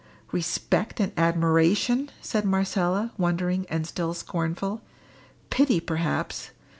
"Respect and admiration!" said Marcella, wondering, and still scornful. "Pity, perhaps.